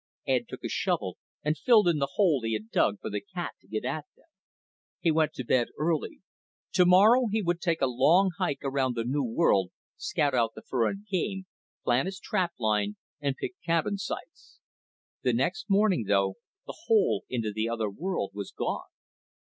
Ed took his shovel and filled in the hole he had dug for the cat to get at them. He went to bed early. Tomorrow he would take a long hike around the new world, scout out the fur and game, plan his trap line and pick cabin sites. The next morning, though, the hole into the other world was gone.